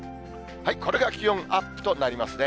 これが気温アップとなりますね。